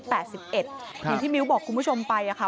อย่างที่มิ้วบอกคุณผู้ชมไป